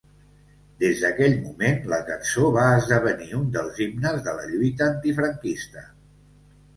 Des d'aquell moment, la cançó va esdevenir un dels himnes de la lluita antifranquista.